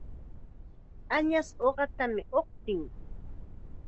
Añasqa uqatam uqtin.